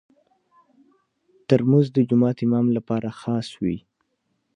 ترموز د جومات امام لپاره خاص وي.